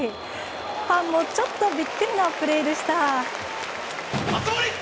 ファンもちょっとビックリのプレーでした。